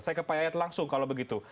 saya ke pak yayat langsung kalau begitu